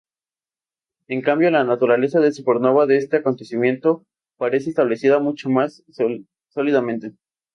En cambio, la naturaleza de supernova de este acontecimiento parece establecida mucho más sólidamente.